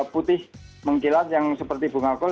putih mengkilat yang seperti bunga kol